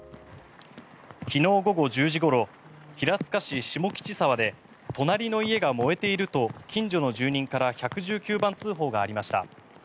昨日午後１０時ごろ平塚市下吉沢で隣の家が燃えていると近所の住人から１１９番通報がありました。